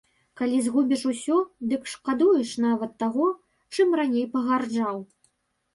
Калі згубіш усё, дык шкадуеш нават таго, чым раней пагарджаў.